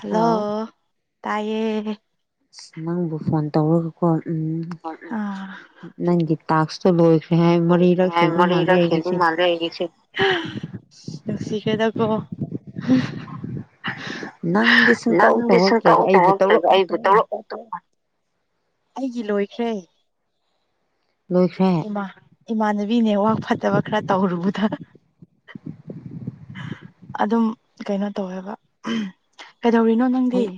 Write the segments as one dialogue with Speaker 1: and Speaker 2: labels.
Speaker 1: hello ꯇꯥꯏꯌꯦ
Speaker 2: ꯑꯁ ꯅꯪꯕꯨ ꯐꯣꯟ ꯇꯧꯔꯒꯀꯣ ꯎꯝ
Speaker 1: ꯑꯥ
Speaker 2: ꯅꯪꯒꯤ ꯇꯥꯛꯁꯇꯣ ꯂꯣꯏ
Speaker 1: ꯂꯣꯏꯈ꯭ꯔꯦ ꯍꯥꯏ ꯃꯔꯤꯔꯛ ꯍꯦꯟꯕ ꯃꯥꯜꯂꯦ ꯑꯩꯒꯤꯁꯦ ꯅꯨꯡꯁꯤꯈ꯭ꯔꯦꯗꯀꯣ
Speaker 2: [unintelligible] ꯅꯪꯗꯤ ꯁꯨꯡꯇꯧ
Speaker 1: ꯅꯪꯗꯤ ꯁꯨꯡꯇꯧ
Speaker 2: ꯇꯧꯔꯛꯇ꯭ꯔꯒ ꯑꯩꯕꯨ
Speaker 1: ꯇꯧꯔꯛꯇ꯭ꯔꯒ
Speaker 2: ꯇꯧꯔꯛꯑꯣ
Speaker 1: ꯑꯩꯕꯨ ꯇꯧꯔꯛꯑꯣ ꯇꯧꯔꯛꯑꯣ ꯑꯩꯒꯤ ꯂꯣꯏꯈ꯭ꯔꯦ
Speaker 2: ꯂꯣꯏꯈ꯭ꯔꯦ
Speaker 1: ꯏꯃꯥ ꯏꯃꯥꯟꯅꯕꯤꯅꯦ ꯋꯥ ꯐꯠꯇꯕ ꯈꯔ ꯇꯧꯔꯨꯕꯗ ꯑꯗꯨꯝ ꯀꯩꯅꯣ ꯇꯧꯋꯦꯕ ꯀꯩꯗꯧꯔꯤꯅꯣ ꯅꯪꯗꯤ
Speaker 2: ꯍꯧꯖꯤꯛ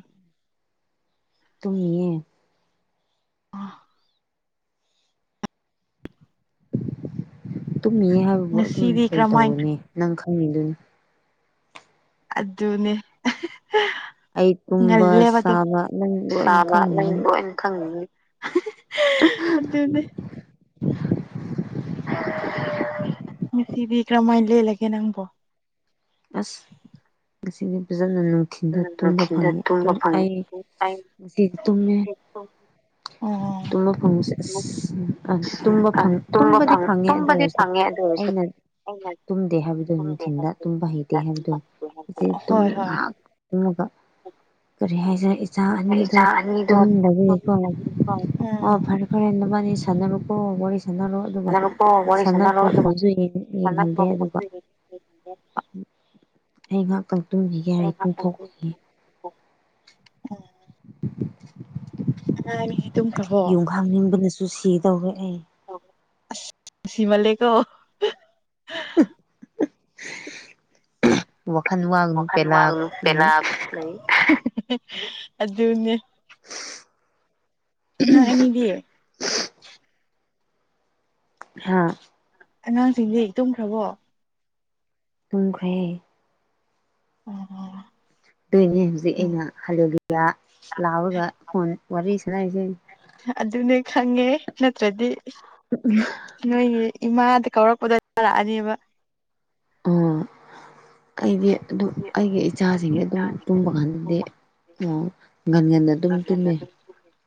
Speaker 2: ꯇꯨꯝꯃꯤꯌꯦ
Speaker 1: ꯑ
Speaker 2: ꯇꯨꯝꯃꯤꯌꯦ ꯍꯥꯏꯕꯕꯨ ꯑꯗꯨꯝ
Speaker 1: ꯉꯁꯤꯗꯤ
Speaker 2: ꯀꯩ
Speaker 1: ꯀꯔꯝꯍꯥꯏ
Speaker 2: ꯇꯧꯔꯨꯅꯤ ꯅꯪ ꯈꯪꯉꯤꯗꯨꯅꯤ
Speaker 1: ꯑꯗꯨꯅꯦ
Speaker 2: ꯑꯩ ꯇꯨꯝꯕ
Speaker 1: ꯉꯜꯂꯦꯕꯗꯣ
Speaker 2: ꯆꯥꯕ ꯅꯪ ꯂꯣꯏꯅ
Speaker 1: ꯁꯥꯕ
Speaker 2: ꯈꯪꯉꯤꯅꯤ
Speaker 1: ꯂꯣꯏꯅ ꯈꯪꯅꯤꯡꯉꯤ ꯑꯗꯨꯗꯤ ꯅꯨꯡꯁꯤꯕꯤ ꯀꯔꯝꯃꯥꯏ ꯂꯦꯜꯂꯤꯒꯦ ꯅꯪꯕꯣ
Speaker 2: ꯑꯁ [unintelligible] ꯐꯖꯅ ꯅꯨꯡꯊꯤꯜꯗ ꯇꯨꯝꯕ ꯐꯪꯉꯦ ꯑꯩ ꯉꯁꯤꯗꯤ ꯇꯨꯝꯃꯦ
Speaker 1: ꯑꯣ
Speaker 2: ꯇꯨꯝꯕ ꯐꯪꯕꯁꯦ ꯑꯁ ꯎꯝ ꯑꯝ ꯇꯨꯝꯕ ꯐꯪ ꯇꯨꯝꯕꯗꯤ ꯐꯪꯉꯦ ꯑꯗꯨ ꯑꯣꯏꯔꯁꯦ
Speaker 1: ꯑꯗꯨ ꯑꯣꯏꯁꯨ
Speaker 2: ꯇꯨꯝꯗꯦ ꯍꯥꯏꯕꯗꯨ ꯅꯨꯡꯊꯤꯟꯗ ꯇꯨꯝꯕ ꯍꯩꯇꯦ ꯍꯥꯏꯕꯗꯣ ꯉꯁꯤ
Speaker 1: ꯍꯣꯏ
Speaker 2: ꯇꯨꯝꯃꯤ
Speaker 1: ꯍꯣꯏ
Speaker 2: ꯉꯥꯍꯥꯛ ꯇꯨꯝꯃꯒ ꯀꯔꯤ ꯍꯥꯏꯁꯤꯔ ꯏꯆꯥ ꯑꯅꯤꯗꯣ ꯇꯨꯝꯗꯕꯒꯤꯀꯣ
Speaker 1: ꯎꯝ
Speaker 2: ꯑꯣ ꯐꯔꯦ ꯐꯔꯦ ꯅꯕꯥꯅꯤ ꯁꯥꯟꯅꯔꯣꯀꯣ ꯋꯥꯔꯤ ꯁꯥꯟꯅꯔꯣ ꯑꯗꯨꯒ ꯁꯥꯟꯅꯄ꯭ꯔꯣ ꯐꯣꯟꯁꯨ ꯌꯦꯡꯍꯟꯂꯦ ꯑꯗꯨꯒ ꯑꯩ ꯉꯍꯥꯛꯇꯪ ꯇꯨꯈꯤꯒꯦ ꯍꯥꯏꯔ ꯇꯨꯡꯊꯣꯛꯄ
Speaker 1: ꯎꯝ
Speaker 2: [unintelligible]
Speaker 1: [unintelligible]
Speaker 2: ꯌꯨꯝꯈꯥꯡꯅꯤꯡꯕꯅꯁꯨ ꯁꯤ ꯇꯧꯔꯦ ꯑꯩ
Speaker 1: ꯑꯁ ꯁꯤꯃꯜ ꯂꯦꯀꯣ
Speaker 2: ꯋꯥꯈꯜ ꯋꯥꯒꯅꯨ
Speaker 1: ꯋꯥꯈꯜ
Speaker 2: ꯄꯦꯂꯥ
Speaker 1: ꯋꯥꯡꯅꯨ
Speaker 2: ꯂꯩ
Speaker 1: ꯄꯦꯂꯞ ꯂꯩ ꯑꯗꯨꯅꯦ ꯑ ꯑꯦꯅꯤꯗꯤꯌꯦ
Speaker 2: ꯍꯥꯥ
Speaker 1: ꯑꯉꯥꯡꯁꯤꯡꯁꯦ ꯏ ꯇꯨꯝꯈ꯭ꯔꯕꯣ
Speaker 2: ꯇꯣꯡꯈ꯭ꯔꯦ
Speaker 1: ꯎꯝ
Speaker 2: ꯑꯗꯨꯏꯅꯦ ꯍꯧꯖꯤꯛ ꯑꯩꯅ ꯍꯂꯨ ꯂꯤꯂꯤꯌꯥ ꯂꯥꯎꯔꯒ ꯐꯣꯟ ꯋꯥꯔꯤ ꯁꯥꯟꯅꯔꯤꯁꯦ
Speaker 1: ꯑꯗꯨꯅꯦ ꯈꯪꯉꯦ ꯅꯠꯇ꯭ꯔꯗꯤ ꯅꯣꯏꯒꯤ ꯏꯃꯥꯗ ꯀꯧꯔꯛꯄꯗ ꯇꯔꯛꯑꯅꯦꯕ
Speaker 2: ꯎꯝ ꯑꯩꯗꯤ ꯑꯗꯨꯝ ꯑꯩꯒꯤ ꯏꯆꯥꯁꯤꯡꯁ ꯑꯗꯨꯝ ꯇꯨꯝꯕ ꯀꯥꯟꯗꯗꯤ ꯑꯣ ꯒꯟꯒꯟꯗ ꯑꯗꯨꯝ ꯇꯨꯝꯃꯦ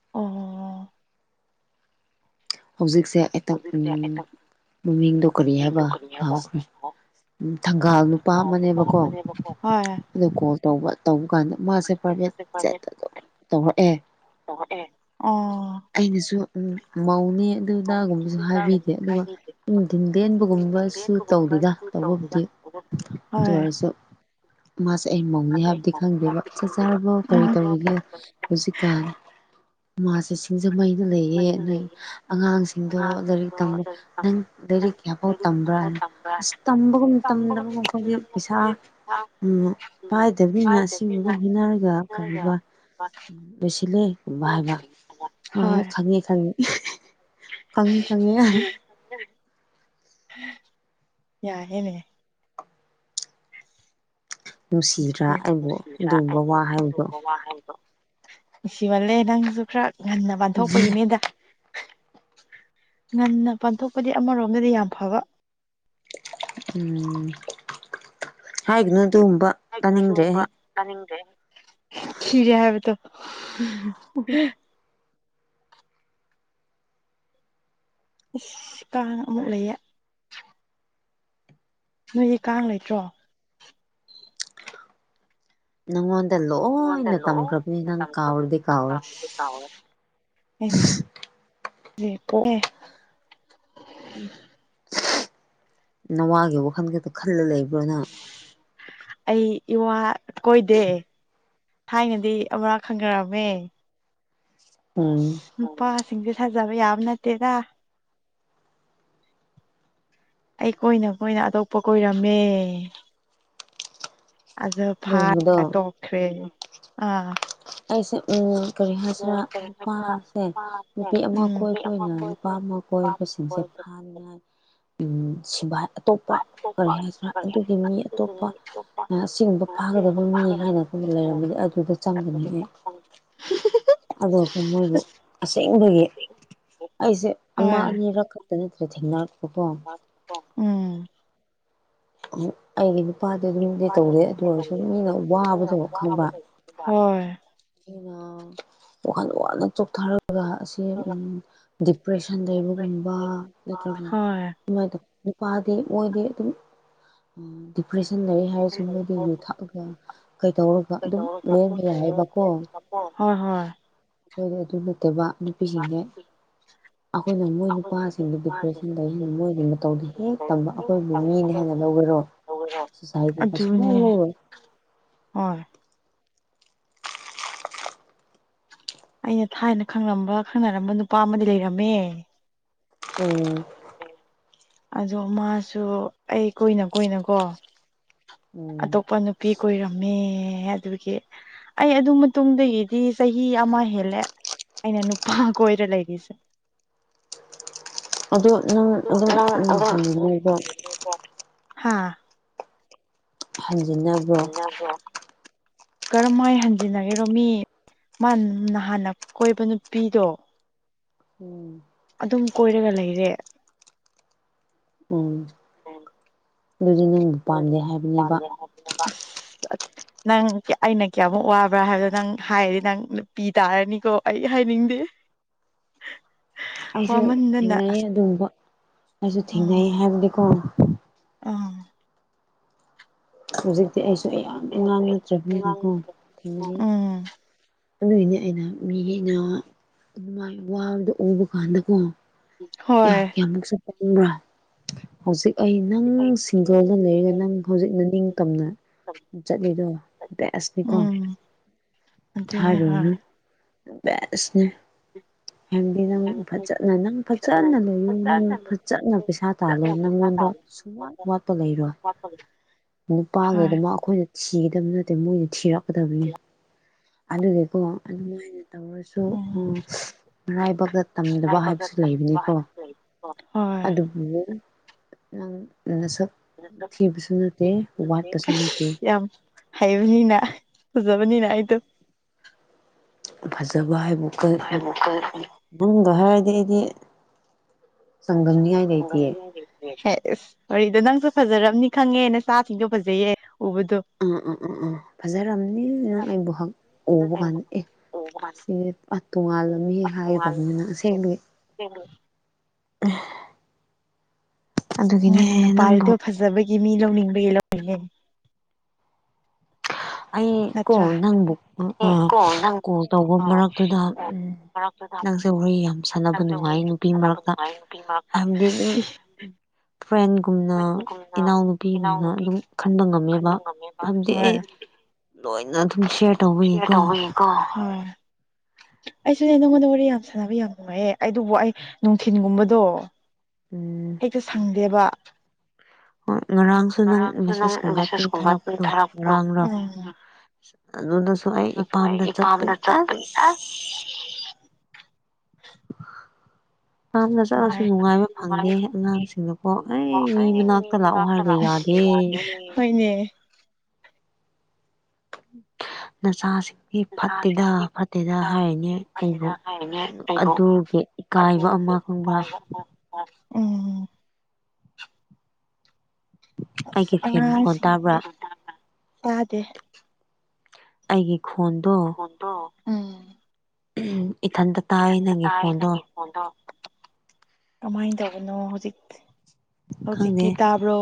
Speaker 1: ꯑꯣ
Speaker 2: ꯍꯧꯖꯤꯛꯁꯦ ꯑꯩꯇꯪ ꯃꯃꯤꯡꯗꯧ ꯀꯔꯤ ꯍꯥꯏꯕ ꯂꯥꯎꯈ꯭ꯔꯦ ꯊꯪꯒꯥꯜ ꯅꯨꯄꯥ ꯑꯃꯅꯦꯕꯀꯣ
Speaker 1: ꯍꯣꯏ
Speaker 2: ꯑ ꯀꯣꯜ ꯇꯧꯕ ꯇꯧꯕ ꯀꯥꯟꯗ ꯃꯥꯁꯦ ꯄ꯭ꯔꯥꯏꯚꯦꯠ ꯆꯦꯠꯇ ꯑꯗꯨꯝ ꯇꯧꯔꯛꯑꯦ
Speaker 1: ꯑꯣ
Speaker 2: ꯑꯗꯨꯗꯥꯅꯥꯒꯨꯝꯕꯁꯨ ꯍꯥꯏꯕꯤꯗꯦ ꯑꯗꯨꯒ ꯅꯨꯡꯊꯤꯟꯗꯦꯟꯕꯒꯨꯝꯕꯁꯨ ꯇꯧꯗꯦꯗ ꯇꯧꯕꯕꯨꯗꯤ
Speaker 1: ꯍꯣꯏ
Speaker 2: ꯇꯔꯁꯨ ꯃꯥꯁ ꯝꯧꯅꯤ ꯍꯥꯏꯕꯗꯤ ꯈꯪꯗꯦꯕ ꯆꯥꯛ ꯆꯥꯔꯕꯣ ꯀꯔꯤ
Speaker 1: ꯎꯝ
Speaker 2: ꯇꯧꯔꯤꯒꯦ ꯍꯧꯖꯤꯛꯀꯥꯟ ꯃꯥꯥꯁꯦ ꯁꯤꯡꯖꯃꯩꯅ ꯂꯩꯌꯦ ꯅꯣꯏ ꯑꯉꯥꯡꯁꯤꯡꯗꯣ ꯂꯥꯏꯔꯤꯛ ꯇꯝꯕ ꯅꯪ ꯂꯥꯏꯔꯤꯛ ꯀꯌꯥꯐꯥꯎ ꯇꯝꯕ꯭ꯔꯥꯅ ꯑꯁ ꯇꯝꯕꯒꯨꯝ ꯗꯕ ꯈꯣꯏꯗꯤ ꯄꯩꯁꯥ ꯎ ꯄꯥꯏꯗꯕꯅꯤꯅ ꯑꯁꯤꯒꯨꯝꯕꯒ ꯍꯣꯠꯅꯔꯒ ꯀꯔꯤꯕ ꯁ [unintelligible] [inaudible] ꯚ ꯍꯥꯏꯕ ꯍꯣꯏ ꯍꯣꯏ ꯈꯪꯉꯦ ꯈꯪꯉꯦ [inaudible] ꯐꯪꯉꯤ ꯈꯪꯉꯦ ꯌꯥꯔ
Speaker 1: ꯌꯥꯍꯅꯦ
Speaker 2: ꯅꯨꯡꯁꯤꯗ꯭ꯔꯥ ꯑꯩꯕꯨ
Speaker 1: ꯅꯨꯡꯁꯤꯗ꯭ꯔꯥ
Speaker 2: ꯑꯗꯨꯒꯨꯝꯕ
Speaker 1: ꯑꯩꯗꯣ
Speaker 2: ꯋꯥ ꯍꯥꯏꯕꯗꯣ
Speaker 1: ꯑꯗꯨꯨꯝꯕ ꯋꯥ ꯍꯥꯏꯩꯕꯣ ꯅꯨꯡꯁꯤꯃꯠꯂꯦ ꯅꯪꯁꯨ ꯈꯔ ꯉꯟꯅ ꯟꯊꯣꯛꯄꯒꯤꯅꯤꯗ ꯉꯟꯅ ꯄꯥꯟꯊꯣꯛꯄꯗꯤ ꯑꯃꯔꯣꯝꯗꯗꯤ ꯌꯥꯝ ꯐꯕ
Speaker 2: ꯎꯝ ꯍꯥꯏꯒꯅꯨ ꯑꯗꯨꯒꯨꯝꯕ ꯇꯥꯅꯤꯡꯗ꯭ꯔꯦ
Speaker 1: ꯈꯤꯔꯦ ꯍꯥꯏꯕ ꯇꯣ ꯏꯁꯁ ꯀꯥꯡ ꯑꯃꯨꯛ ꯂꯩꯌꯦ ꯅꯣꯏꯒꯤ ꯀꯥꯡ ꯂꯩꯇ꯭ꯔꯣ
Speaker 2: ꯅꯪꯉꯣꯟꯗ ꯂꯣꯏꯅ ꯇꯝꯈ꯭ꯔꯕꯅꯤ ꯅꯪ ꯀꯥꯎꯔꯗꯤ ꯀꯥꯎꯔꯦ [unintelligible] [inaudible]
Speaker 1: ꯦ [unintelligible] [inaudible]
Speaker 2: ꯅꯋꯥꯒꯤ ꯋꯥꯈꯜ ꯈꯛꯇ ꯈꯜꯂ ꯂꯩꯕ꯭ꯔꯥꯅ
Speaker 1: ꯑꯩ ꯏꯋꯥ ꯀꯣꯏꯗꯦ ꯊꯥꯏꯅꯗꯤ ꯑꯃꯨꯔꯛ ꯈꯟꯈꯔꯑꯃꯦ
Speaker 2: ꯎꯝ
Speaker 1: ꯁꯤꯡꯁꯦ ꯁꯥꯖꯕ ꯌꯥꯕ ꯅꯠꯇꯦꯗ ꯑꯩ ꯀꯣꯏꯅ ꯀꯣꯏꯅ ꯑꯇꯣꯞꯄ ꯀꯣꯏꯔꯝꯃꯦ ꯑꯗꯨ
Speaker 2: ꯑꯗꯨꯒꯨꯝꯕꯗꯣ
Speaker 1: ꯐꯥꯔꯒ ꯇꯣꯛꯈ꯭ꯔꯦ ꯑꯥ
Speaker 2: ꯑꯩꯁꯦ ꯎ ꯀꯔꯤ ꯍꯥꯏꯁꯤꯔꯥ ꯅꯨꯄꯥꯁꯦ ꯅꯨꯄꯤ ꯑꯃ
Speaker 1: ꯎꯝ
Speaker 2: ꯀꯣꯏꯕ ꯑꯣꯏꯅ ꯅꯨꯄꯥ ꯑꯃ ꯀꯣꯏꯕꯁꯤꯡꯁꯦ ꯍꯥꯅꯥ [inaudible] ꯎ ꯁꯤꯚꯥꯏ ꯑꯇꯣꯞꯄ ꯀꯔꯤ ꯍꯥꯏꯗ꯭ꯔꯥ ꯑꯗꯨꯒꯤ ꯃꯤ ꯑꯇꯣꯞꯄ ꯑꯁꯤꯒꯨꯝꯕ ꯐꯥꯒꯗꯕ ꯃꯤ ꯍꯥꯟꯅꯒꯨꯝꯕ ꯂꯩꯔꯝꯕꯗꯤ ꯑꯗꯨꯗ ꯆꯪꯒꯅꯤꯑ ꯑꯗꯨ ꯃꯣꯏꯕꯨ ꯑꯁꯦꯡꯕꯒꯤ ꯑꯩꯁꯦ ꯑꯃ
Speaker 1: ꯍꯣꯏ
Speaker 2: ꯑꯅꯤꯔꯛ ꯊꯦꯡꯅ
Speaker 1: ꯎꯝ
Speaker 2: ꯑꯃꯨꯛ ꯑꯩꯒꯤ ꯅꯨꯄꯥꯗꯤ ꯑꯗꯨꯝꯗꯤ ꯇꯧꯗꯦ ꯑꯗꯨ ꯑꯣꯏꯔꯁꯨꯨ ꯃꯤꯅ ꯋꯥꯕꯗꯣ ꯈꯪꯕ
Speaker 1: ꯍꯣꯏ
Speaker 2: ꯋꯥꯈꯜ ꯋꯥꯅ ꯆꯣꯛꯊꯔꯒ ꯑꯁꯤ ꯑꯝ ꯗꯤꯄ꯭ꯔꯦꯁꯟ ꯂꯩꯕꯒꯨꯝꯕ ꯅꯠꯇ꯭ꯔꯒ
Speaker 1: ꯍꯣꯏ
Speaker 2: ꯁꯨꯃꯥꯏ ꯅꯨꯄꯥꯗꯤ ꯃꯣꯏꯗꯤ ꯑꯗꯨꯝ ꯗꯤꯄ꯭ꯔꯦꯁꯟ ꯂꯩꯌꯦ ꯍꯥꯏꯔꯁꯨ ꯃꯣꯏꯗꯤ ꯌꯨ ꯊꯛꯑꯒ ꯀꯩꯗꯧꯔꯒ ꯑꯗꯨꯝ ꯂꯦꯟꯕ ꯌꯥꯏꯌꯦꯕ ꯀꯣ
Speaker 1: ꯍꯣꯏ ꯍꯣꯏ
Speaker 2: ꯍꯣꯏ ꯑꯗꯨ ꯅꯠꯇꯦꯕ ꯅꯨꯄꯤꯁꯤꯡꯅꯦ ꯑꯩꯈꯣꯏꯅ ꯃꯣꯏ ꯅꯨꯄꯥꯁꯤꯡꯗꯨ ꯗꯤꯄ꯭ꯔꯦꯁꯟꯗꯒꯤ ꯍꯦꯟꯅ ꯃꯣꯏꯕꯨ ꯃꯇꯧꯗ ꯍꯦꯛ ꯇꯝꯕ ꯑꯩꯈꯣꯏꯕꯨ ꯃꯤꯅꯦ ꯍꯥꯏꯅ ꯂꯧꯒꯦꯔꯣ ꯁꯣꯁꯥꯏꯇꯤꯅ
Speaker 1: ꯑꯗꯨꯅꯦ
Speaker 2: ꯁꯨꯡꯂꯧ ꯂꯧꯔꯣꯏ
Speaker 1: ꯍꯣꯏ ꯑꯩꯅ ꯊꯥꯏꯅ ꯈꯪꯂꯝꯕ ꯈꯪꯅꯔꯝꯕ ꯅꯨꯄꯥ ꯑꯃꯗꯤ ꯂꯩꯔꯝꯃꯦ
Speaker 2: ꯎꯝ
Speaker 1: ꯑꯗꯣ ꯃꯥꯁꯨ ꯑꯩ ꯀꯣꯏꯅ ꯀꯣꯏꯅꯀꯣ
Speaker 2: ꯎꯝ
Speaker 1: ꯑꯇꯣꯞꯄ ꯅꯨꯄꯤ ꯀꯣꯏꯔꯝꯃꯦ ꯑꯦ ꯑꯗꯨꯒꯤ ꯑꯩ ꯑꯗꯨ ꯃꯇꯨꯡꯗꯒꯤꯗꯤ ꯆꯍꯤ ꯑꯃ ꯍꯦꯜꯂꯦ ꯑꯩꯅ ꯅꯨꯄꯥ ꯀꯣꯏꯔ ꯂꯩꯔꯤꯁꯦ
Speaker 2: [inaudible] ꯑꯗꯣ ꯅꯪ ꯑꯗꯨꯝ ꯎꯝ ꯍꯟꯖꯤꯟꯅꯕꯔꯥ
Speaker 1: ꯍꯥꯥ
Speaker 2: ꯍꯟꯖꯤꯅꯕꯔꯣ
Speaker 1: ꯀꯔꯝꯍꯥꯏ ꯍꯟꯖꯤꯟꯅꯒꯦꯔꯣ ꯃꯤ ꯃꯥꯅ ꯍꯥꯟꯅ ꯀꯣꯏꯕ ꯅꯨꯄꯤꯗꯣ
Speaker 2: ꯎꯝ
Speaker 1: ꯑꯗꯨꯝ ꯀꯣꯏꯔꯒ ꯂꯩꯔꯦ
Speaker 2: ꯎꯝ ꯑꯗꯨꯗꯤ ꯅꯪꯕꯨ ꯄꯥꯝꯗꯦ
Speaker 1: ꯗ
Speaker 2: ꯍꯥꯏꯕꯅꯦꯕ
Speaker 1: [unintelligible] ꯅꯪ ꯑꯩꯅ ꯀꯌꯥꯃꯨꯛ ꯋꯥꯕ꯭ꯔꯥ ꯍꯥꯏꯕꯗꯣ ꯅꯪ ꯍꯥꯏꯔꯗꯤ ꯅꯪ ꯄꯤ ꯇꯥꯔꯅꯤꯀꯣ ꯑꯩ ꯍꯥꯏꯅꯤꯡ ꯗꯦ
Speaker 2: ꯑꯩꯁꯨ ꯊꯦꯡꯅꯩ ꯑꯗꯨꯝꯕ ꯑꯩꯁꯨ ꯊꯦꯡꯅꯩ
Speaker 1: ꯑꯣ
Speaker 2: ꯍꯥꯏꯕꯗꯤꯀꯣ
Speaker 1: ꯑꯥ
Speaker 2: ꯍꯧꯖꯤꯛꯇꯤ ꯑꯩꯁꯨ ꯌꯥꯝꯑꯉꯥꯡ ꯅꯠꯇ꯭ꯔꯕꯅꯤꯅꯀꯣ ꯊꯦꯡꯅꯩꯌꯦ
Speaker 1: ꯎꯝ
Speaker 2: ꯑꯗꯨꯏꯅꯦ ꯑꯩꯅ ꯃꯤ ꯑꯩꯅ ꯑꯗꯨꯃꯥꯏ ꯋꯥꯕꯗꯣ ꯎꯕ ꯀꯥꯟꯗꯀꯣ
Speaker 1: ꯍꯣꯏ
Speaker 2: ꯈꯪꯕꯔ ꯍꯧꯖꯤꯛ ꯑꯩ ꯅꯪ ꯁꯤꯡꯒꯜꯗ ꯂꯩꯔꯒ ꯅꯪ ꯍꯧꯖꯤꯛ ꯅꯅꯤꯡꯇꯝꯅ ꯆꯠꯂꯤꯗꯣ ꯕꯦꯁꯅꯤꯀꯣ
Speaker 1: ꯎꯝ ꯑꯗꯨꯅꯤ ꯍꯥ
Speaker 2: ꯍꯥꯏꯔꯨꯔꯅꯨ ꯕꯦꯁꯅꯦ ꯍꯥꯏꯕꯗꯤ ꯅꯪ ꯐꯖꯟꯅ ꯅꯪ ꯐ ꯖꯟꯅ ꯂꯩꯌꯨ ꯅꯪ ꯐꯖꯟꯅ ꯄꯩꯁꯥ ꯇꯥꯜꯂꯣ ꯅꯪꯉꯣꯟꯗ ꯁꯨꯡꯋꯥꯠ ꯋꯥꯠꯄ ꯂꯩꯔꯣꯏ ꯅꯨꯄꯥꯒꯤ
Speaker 1: ꯍꯣꯏ
Speaker 2: ꯑꯗꯨꯃꯛ ꯑꯩꯈꯣꯏꯅ ꯊꯤꯒꯗꯕ ꯅꯠꯇꯦ ꯃꯣꯏꯅ ꯊꯤꯔꯛꯀꯗꯕꯅꯤ ꯑꯗꯨꯒꯀꯣ ꯑꯗꯨ ꯃꯣꯏꯅ ꯇꯧꯔꯁꯨ
Speaker 1: ꯎꯝ
Speaker 2: ꯃꯔꯥꯏꯕꯛꯇ ꯇꯝꯗꯕ ꯍꯥꯏꯕꯁꯨ ꯂꯩꯕꯅꯤ ꯀꯣ
Speaker 1: ꯍꯣꯏ
Speaker 2: ꯑꯗꯨꯕꯨ ꯅꯪ ꯅꯁꯛ ꯊꯤꯕꯁꯨ ꯅꯠꯇꯦ ꯋꯥꯠꯄꯁꯨ ꯅꯠꯇꯦ
Speaker 1: ꯍꯥꯏꯕꯅꯤꯅ ꯐꯖꯕꯅꯤꯅ ꯑꯩꯗꯣ
Speaker 2: ꯐꯖꯕ ꯍꯥꯏꯕ ꯀ ꯅꯪꯒ ꯍꯥꯏꯔꯗꯤ ꯑꯩꯗꯤ ꯆꯥꯡꯗꯝꯅꯤꯉꯥꯏ ꯂꯩꯇꯦꯌꯦ
Speaker 1: ꯑꯦꯁ ꯋꯥꯔꯤꯗꯣ ꯅꯪꯁꯨ ꯐꯖꯔꯝꯅꯤ ꯈꯪꯉꯦ ꯅꯆꯥꯁꯤꯡꯗꯣ ꯐꯖꯩꯌꯦ ꯎꯕꯗꯣ
Speaker 2: ꯎꯝ ꯎꯝ ꯎꯝ ꯎꯝ ꯐꯖꯔꯝꯅꯤ ꯅꯪ ꯑꯩꯕꯨ ꯍꯥꯛ ꯎꯕ ꯀꯥꯟꯗ ꯑꯦ ꯁꯤ ꯇꯣꯉꯥꯜꯂꯝꯅꯤ ꯍꯥꯏꯗꯕꯅꯤꯅ ꯑꯁꯦꯡꯗꯤ ꯑ
Speaker 1: ꯉꯟꯅ ꯄꯥꯔꯤꯗꯣ ꯐꯖꯕꯒꯤ ꯃꯤ ꯂꯧꯅꯤꯡꯉ ꯝꯕꯂꯦ
Speaker 2: ꯑꯩ ꯀꯣ ꯅꯪꯕꯨ ꯀꯣꯜ ꯇꯧꯕ ꯃꯔꯛꯇꯨꯗ ꯎꯝ ꯅꯪꯁꯦ ꯍꯣꯔꯣꯏ ꯌꯥꯝ ꯁꯥꯟꯅꯕ ꯅꯨꯡꯉꯥꯏ ꯅꯨꯄꯤ ꯃꯔꯛꯇ ꯍꯥꯏꯕꯗꯤ ꯑꯗꯨꯝ
Speaker 1: ꯑꯁꯤ
Speaker 2: ꯐ꯭ꯔꯦꯟꯒꯨꯝꯅ ꯏꯅꯥꯎꯅꯨꯄꯤꯒꯨꯝꯅ ꯑꯗꯨꯝ ꯈꯟꯕ ꯉꯝꯃꯦꯕ ꯍꯥꯏꯕꯗꯤ ꯑꯩ
Speaker 1: ꯍꯣꯏ
Speaker 2: ꯂꯣꯏꯅ ꯑꯗꯨꯝ ꯁꯦ ꯇꯧꯕꯌꯦꯀꯣ
Speaker 1: ꯍꯣꯏ
Speaker 2: [unintelligible]
Speaker 1: ꯑꯩꯁꯨꯅꯦ ꯅꯪꯉꯣꯟꯗ ꯋꯥꯔꯤ ꯌꯥꯝ ꯁꯥꯟꯅꯕ ꯌꯥꯝ ꯅꯨꯡꯉꯥꯏꯌꯦꯦ ꯑꯩꯕꯨ ꯑꯩ ꯅꯨꯡꯊꯤꯤꯟꯒꯨꯝꯕꯗꯣ
Speaker 2: ꯎꯝ
Speaker 1: ꯍꯦꯛꯇ ꯁꯪꯗꯦꯕ
Speaker 2: ꯍꯣꯏ ꯉꯔꯥꯡꯁꯨ ꯅꯪ ꯚꯦꯁꯦꯁꯀꯨꯝꯕ ꯑꯗꯨ ꯊꯥꯔꯛꯄꯗꯣ ꯉꯔꯥꯡꯔꯣ
Speaker 1: ꯎꯝ
Speaker 2: ꯑꯗꯨꯗꯁꯨ ꯑꯩ ꯏꯄꯥꯝꯗ ꯆꯠꯄꯒꯤ ꯑꯁ ꯌꯥꯝꯝꯅ ꯆꯠꯂꯁꯨ
Speaker 1: ꯅꯨꯡꯉꯥꯏ
Speaker 2: ꯅꯨꯡꯉꯥꯏꯕ ꯐꯪꯗꯦ ꯑꯉꯥꯡꯁꯤꯡꯗꯀꯣ ꯑꯩ ꯃꯤ ꯃꯅꯥꯛꯇ ꯂꯥꯛꯑꯣ ꯍꯥꯏꯔꯒ
Speaker 1: ꯑꯁ
Speaker 2: ꯌꯥꯗꯦ
Speaker 1: ꯍꯣꯏꯅꯦ
Speaker 2: ꯅꯁꯥꯁꯤ ꯐꯠꯇꯦꯗ ꯐꯠꯇꯦꯗ ꯍꯥꯏꯔꯅꯤ ꯑꯩꯕꯨ ꯑꯗꯨꯒꯤ ꯏꯀꯥꯏꯕ ꯑꯃ ꯈꯪꯕ꯭ꯔꯥ
Speaker 1: ꯎꯝ ꯑꯁ
Speaker 2: ꯑꯩꯒꯤ ꯐꯦꯟ ꯃꯈꯣꯟ
Speaker 1: ꯑꯉꯥꯡꯁꯤ
Speaker 2: ꯇꯥꯕ꯭ꯔꯥ
Speaker 1: ꯇꯥꯗꯦ
Speaker 2: ꯑꯩꯒꯤ ꯈꯣꯟꯗꯣ
Speaker 1: ꯎꯝ
Speaker 2: ꯎꯝ ꯏꯊꯟꯇ ꯇꯥꯏ ꯅꯪꯒꯤ ꯐꯣꯟꯗꯣ
Speaker 1: ꯀꯃꯥꯏꯅ ꯇꯧꯕꯅꯣ ꯍꯧꯖꯤꯛ
Speaker 2: ꯈꯪꯗꯦ
Speaker 1: ꯍꯧꯖꯤꯛꯀꯤꯤ ꯇꯕ꯭ꯔꯣ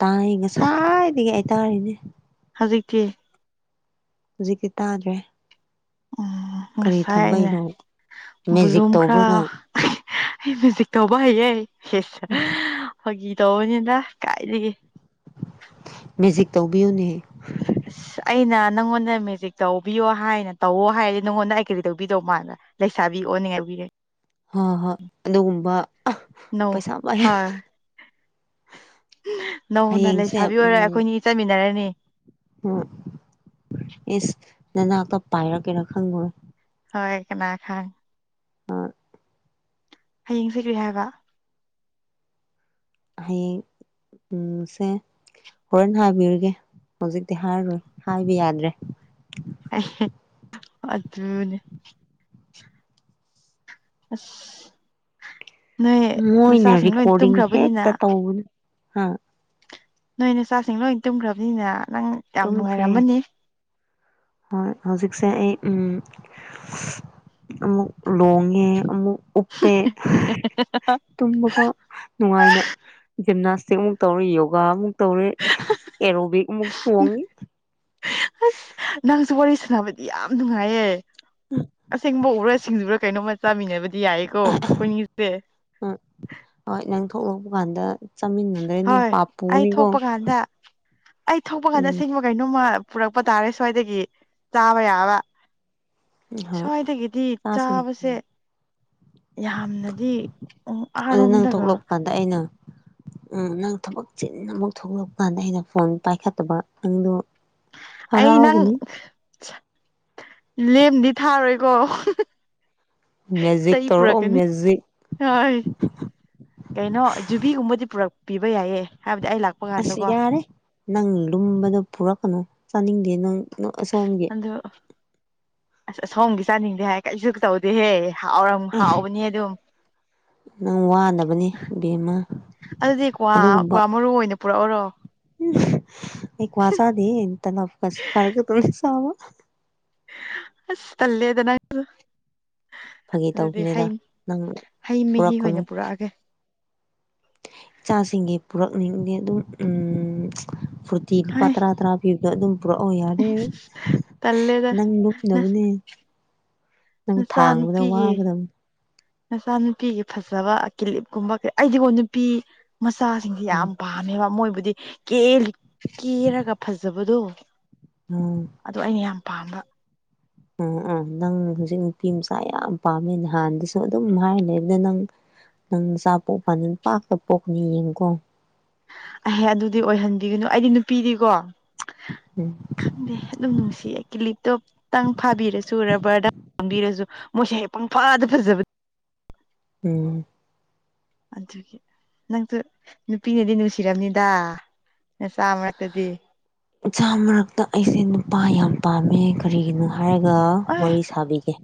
Speaker 2: ꯇꯥꯏ ꯉꯁꯥꯏꯗꯒꯤ ꯍꯥꯏꯇꯥꯔꯤꯅꯦ
Speaker 1: ꯀꯦ
Speaker 2: ꯍꯧꯖꯤꯛꯇꯤ ꯇꯥꯗ꯭ꯔꯦ
Speaker 1: ꯎꯝ
Speaker 2: ꯀꯔꯤ
Speaker 1: ꯉꯁꯥꯏ ꯑꯅꯦ
Speaker 2: ꯊꯝꯕꯩꯅꯣ ꯃꯦꯖꯤꯛ
Speaker 1: ꯕꯕꯨꯂꯨꯝ
Speaker 2: ꯇꯧꯕ꯭ꯔꯣ
Speaker 1: ꯈꯔ
Speaker 2: ꯅꯪ
Speaker 1: ꯑꯩ ꯃꯨꯖꯤꯛ ꯇꯧꯕ ꯍꯦꯁ ꯍ ꯇꯧꯅꯤꯗ ꯀꯥꯏꯗꯤ
Speaker 2: ꯃꯦꯖꯤꯛ ꯇꯧꯕꯤꯌꯨꯅꯦꯍ
Speaker 1: ꯑꯁ ꯑꯩꯅ ꯅꯪꯉꯣꯟꯗ ꯃꯦꯖꯤꯛ ꯇꯧꯕꯤꯌꯣ ꯍꯥꯏꯅ ꯇꯧꯋꯣ ꯍꯥꯏꯔꯗꯤ ꯅꯪꯉꯣꯟꯗ ꯑꯩ ꯀꯔꯤ ꯇꯧꯕꯤꯗꯣ ꯃꯥꯅꯣ ꯂꯩꯁꯥꯕꯤ ꯑꯣ ꯅꯤꯡꯉꯥꯏꯕꯤꯔꯦ
Speaker 2: ꯍ ꯍꯣꯏ ꯑꯗꯨꯒꯨꯝꯕ
Speaker 1: ꯅꯧ
Speaker 2: ꯄꯩꯁꯥ ꯃ
Speaker 1: ꯍꯣꯏ ꯅꯧꯅ ꯂꯩꯁꯥꯕꯤ ꯑꯣꯏꯔꯣꯏ ꯑꯩꯈꯣꯏꯅꯤ ꯆꯠꯃꯤꯟꯅꯔꯅꯤ
Speaker 2: ꯎꯝ ꯏꯁꯁ ꯅꯅꯥꯛꯇ ꯄꯥꯏꯔꯛꯀꯦꯔꯥ ꯈꯪꯈ
Speaker 1: ꯍ ꯀꯅꯥ ꯈꯥꯡ
Speaker 2: ꯑ
Speaker 1: ꯍꯌꯦꯡ ꯁꯤꯒ꯭ꯔꯤ ꯍꯥꯏꯕ
Speaker 2: ꯍꯥꯏꯌꯦꯡ ꯎꯝꯁꯦ ꯍꯣꯔꯦꯟ ꯍꯥꯏꯕꯤꯔꯒꯦ ꯍꯧꯖꯤꯛꯇꯤ ꯍꯥꯏꯔꯔꯣꯏ ꯍꯥꯏꯕ ꯌꯥꯗ꯭ꯔꯦ
Speaker 1: ꯑꯗꯨ ꯑꯗꯨꯅꯦ ꯑ
Speaker 2: ꯃꯣꯏꯅꯦ ꯔꯦꯀꯣꯔꯗꯤꯡ ꯍꯦꯛꯇ ꯇꯧꯕꯅꯤ ꯍꯥ
Speaker 1: ꯅꯣꯏ ꯅ ꯆꯥꯛꯁꯤꯡ ꯂꯣꯏ ꯇꯨꯝꯈ꯭ꯔꯕꯅꯤꯅ ꯅꯪ ꯌꯥꯝ
Speaker 2: ꯇꯨꯝꯈ꯭ꯔꯦ
Speaker 1: ꯅꯨꯡꯉꯥꯏꯔꯝꯃꯅꯤ
Speaker 2: ꯍꯣꯏ ꯍꯧꯖꯤꯛꯁꯦ ꯑꯩ ꯎꯝ ꯑꯃꯨꯛ ꯂꯣꯡꯉꯦ ꯑꯃꯨꯛ ꯎꯞꯄꯦ ꯇꯨꯝꯕꯒ ꯅꯨꯡꯉꯥꯏꯅ ꯖꯤꯝꯅꯥꯁ ꯍꯧꯛ ꯑꯃꯨꯛ ꯇꯧꯔꯦ ꯌꯣꯒꯥ ꯑꯃꯨꯛ ꯇꯧꯔꯦ ꯑꯦꯔꯣꯕꯤꯛ ꯑꯃꯨꯛ ꯆꯣꯡꯉꯦ
Speaker 1: ꯑꯁ ꯅꯪꯁꯨ ꯋꯥꯔꯤ ꯁꯥꯟꯅꯕꯗꯤ ꯌꯥꯝ ꯅꯨꯡꯉꯥꯏꯌꯦ ꯑꯁꯦꯡꯕ ꯎꯕ꯭ꯔꯥ ꯁꯤꯡꯁꯤꯕ꯭ꯔꯥ ꯀꯩꯅꯣꯝꯃ ꯆꯥꯃꯤꯟꯅꯕ ꯗꯤ ꯌꯥ ꯀꯣ ꯀꯟꯁꯦ
Speaker 2: ꯎꯝ ꯍꯣꯏ ꯅꯪ ꯊꯣꯛꯂꯛꯄ ꯀꯥꯟꯗ ꯆꯥꯃꯤꯟꯅꯗ꯭ꯔꯦ ꯅꯪ
Speaker 1: ꯑꯩ
Speaker 2: ꯄꯥꯞꯄꯨꯅꯤꯀꯣ
Speaker 1: ꯊꯣꯛꯄ ꯀꯥꯟꯗ ꯑꯩ ꯊꯣꯛꯄ ꯀꯥꯟꯗ ꯁꯤꯡꯕ ꯀꯩꯅꯣꯝꯃ ꯄꯨꯔꯛꯄ ꯇꯥꯔꯦ ꯁ꯭ꯋꯥꯏꯗꯒꯤ ꯆꯥꯕ ꯌꯥꯕ
Speaker 2: ꯍꯣꯏ
Speaker 1: ꯁ꯭ꯋꯥꯏꯗꯒꯤꯗꯤ
Speaker 2: ꯆꯥꯁꯤꯅꯦ
Speaker 1: ꯆꯥꯕꯁꯦ
Speaker 2: ꯀꯩꯅꯣ
Speaker 1: ꯌꯥꯝꯅꯗꯤ
Speaker 2: ꯑꯗꯨ ꯅꯪ
Speaker 1: ꯑꯥꯔꯣꯝꯗꯒ
Speaker 2: ꯊꯣꯛꯂꯛꯄ ꯀꯥꯟꯗ ꯑꯩꯅ ꯎꯝ ꯅꯪ ꯊꯕꯛ ꯆꯤ ꯑꯃꯨꯛ ꯊꯣꯛꯂꯛꯄ ꯀꯥꯟꯗ ꯑꯩꯅ ꯐꯣꯟ ꯄꯥꯏꯈꯠꯇꯕ ꯅꯪꯗꯣ
Speaker 1: ꯑꯩ ꯅꯪ
Speaker 2: ꯍꯔꯥꯎꯒꯅꯤ
Speaker 1: ꯂꯦꯝꯗꯤ ꯊꯥꯔꯣꯏꯀꯣ
Speaker 2: ꯃꯦꯖꯤꯛ
Speaker 1: ꯆꯍꯤ
Speaker 2: ꯇꯧꯔꯛꯑꯣ
Speaker 1: ꯄꯨꯔꯛꯀꯅꯤ
Speaker 2: ꯃꯦꯖꯤꯛ
Speaker 1: ꯍ ꯀꯩꯅꯣ ꯖꯨꯕꯤꯒꯨꯝꯕꯗꯤ ꯄꯨꯔꯛꯄꯤꯕ ꯌꯥꯏꯌꯦ ꯍꯥꯏꯕꯗꯤ ꯑꯩ ꯂꯥꯛꯄ
Speaker 2: ꯑꯁ
Speaker 1: ꯀꯥꯟꯗꯀꯣ
Speaker 2: ꯌꯥꯔꯦ ꯅꯪ ꯂꯨꯝꯕꯗ ꯄꯨꯔꯛꯀꯅꯨ ꯆꯥꯅꯤꯡꯗꯦ ꯅꯪ ꯑꯁꯣꯝꯒꯤ
Speaker 1: ꯑꯗꯨ ꯑꯁ ꯑꯁꯣꯝꯒꯤ ꯆꯥꯅꯤꯡꯗꯦ ꯍꯥꯏ ꯀꯔꯤꯁꯨ ꯇꯧꯗꯦꯍꯦ ꯍꯥꯎꯔ ꯍꯥꯎꯕꯅꯦ ꯑꯗꯨꯝ
Speaker 2: ꯅꯪ ꯋꯥꯅꯕꯅꯦ ꯕꯦꯝꯃ
Speaker 1: ꯑꯗꯨꯗꯤꯗꯤ ꯀꯋꯥ
Speaker 2: ꯑꯗꯨꯒꯨꯝꯕ
Speaker 1: ꯀꯋꯥ ꯃꯔꯨ ꯑꯣꯏꯅ ꯄꯨꯔꯥ ꯑꯣꯏꯔꯣ
Speaker 2: ꯑꯩ ꯋꯥꯁꯗꯦ ꯇꯅ ꯀꯁꯤꯦ ꯀꯔꯒ ꯇꯧ ꯁꯥꯕ
Speaker 1: ꯑꯁ ꯇꯂꯦꯗ ꯅ
Speaker 2: ꯐꯥꯒꯤ
Speaker 1: ꯑꯗꯨꯗꯤ ꯍ
Speaker 2: ꯇꯧꯕꯅꯤꯗ ꯅꯪ
Speaker 1: ꯍꯩ ꯃꯍꯤ
Speaker 2: ꯄꯨꯔꯛꯀꯅꯨ
Speaker 1: ꯑꯣꯏꯅ ꯄꯨꯔꯛꯑꯒꯦ
Speaker 2: ꯏꯆꯥꯁꯤꯡꯒꯤ ꯄꯨꯔꯛꯅꯤꯡꯕꯒꯤ ꯑꯗꯨꯝ ꯐꯨꯔꯇꯤ ꯄ
Speaker 1: ꯍꯥꯏ
Speaker 2: ꯇꯔꯥ ꯇꯔꯥ ꯄꯤꯕꯗꯣ ꯑꯗꯨꯝ ꯄꯨꯔꯛꯑꯣ ꯌꯥꯔꯦ
Speaker 1: ꯇꯜꯂꯦꯗ
Speaker 2: ꯅꯪ ꯂꯨꯞꯅꯕꯅꯦ ꯅꯪ ꯊꯥꯡꯕꯗ
Speaker 1: ꯅꯆꯥꯅꯨꯄꯤꯒꯤ
Speaker 2: ꯋꯥꯒꯗꯕꯅꯦ
Speaker 1: ꯅꯆꯥꯅꯨꯄꯤꯒꯤ ꯐꯖꯕ ꯑꯀꯤꯂꯤꯞ ꯀꯨꯝꯕ ꯀꯩ ꯑꯩꯗꯤꯒꯣ ꯅꯨꯄꯤ ꯃꯆꯥꯁꯤꯡꯁꯤ
Speaker 2: ꯎꯝ
Speaker 1: ꯌꯥꯝ ꯄꯥꯝꯃꯦꯕ ꯃꯣꯏꯕꯨꯗꯤ ꯀꯦꯜꯂꯤ ꯀꯦꯔꯒ ꯐꯖꯕꯗꯣ
Speaker 2: ꯎꯝ
Speaker 1: ꯑꯗꯨ ꯑꯩꯅ ꯌꯥꯝ ꯄꯥꯝꯕ
Speaker 2: ꯎꯝ ꯎꯝ ꯅꯪ ꯍꯧꯖꯤꯛ ꯅꯨꯄꯤ ꯃꯆꯥ ꯌꯥꯝ ꯄꯥꯝꯃꯦ ꯍꯥꯟꯅꯗꯁꯨ ꯑꯗꯨꯝ ꯍꯥꯏꯔꯤ ꯂꯩꯕꯗ ꯅꯪ ꯅꯪ ꯆꯆꯥ ꯄꯣꯛꯄ ꯅ ꯄꯥꯛꯇ ꯄꯣꯛꯄꯅꯤ ꯌꯦꯡꯉꯨꯀꯣ
Speaker 1: ꯑꯍꯦ ꯑꯗꯨꯗꯤ ꯑꯣꯏꯍꯟꯕꯤꯒꯅꯨ ꯑꯩꯗꯤ ꯅꯨꯄꯤꯗꯤꯀꯣ
Speaker 2: ꯎꯝ
Speaker 1: ꯈꯪꯗꯦ ꯑꯗꯨꯝ ꯅꯨꯡꯁꯤꯌꯦ ꯂ ꯂꯤꯞꯇꯣꯞꯇꯪ ꯐꯥꯕꯤꯔꯁꯨ ꯔꯕꯔꯗꯪ ꯄꯥꯝꯕꯤꯔꯁꯨ ꯃꯣꯏꯁꯦ ꯍꯦꯛ ꯄꯨꯡ ꯐꯥꯗ ꯐꯖꯕ
Speaker 2: ꯎꯝ
Speaker 1: ꯑꯗꯨꯒꯤ ꯅꯪꯁꯨ ꯅꯨꯄꯤꯅꯗꯤ ꯅꯨꯡꯁꯤꯔꯕꯝꯅꯤꯗ ꯁꯝꯛꯇꯗꯤ
Speaker 2: ꯏꯆꯥ ꯃꯔꯛꯇ ꯑꯩꯁꯦ ꯅꯨꯄꯥ ꯌꯥꯝ ꯄꯥꯝꯃꯦ ꯀꯔꯤꯒꯤꯅꯣ ꯍꯥꯏꯔꯒ
Speaker 1: ꯑꯦ
Speaker 2: ꯋꯥꯔꯤ ꯁꯥꯕꯤꯒꯦ